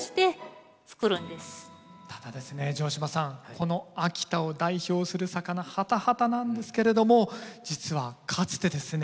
この秋田を代表する魚ハタハタなんですけれども実はかつてですね